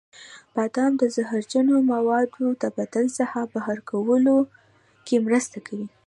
بادام د زهرجنو موادو د بدن څخه بهر کولو کې مرسته کوي.